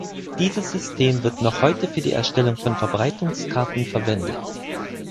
Dieses System wird noch heute für die Erstellung von Verbreitungskarten verwendet.